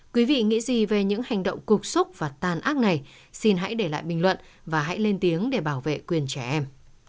quý vị nghĩ gì về những hành động cục xúc và tàn ác này xin hãy để lại bình luận và hãy lên tiếng để bảo vệ quyền trẻ em